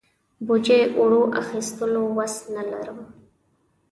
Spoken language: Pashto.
بوجۍ اوړو اخستلو وس نه لرم.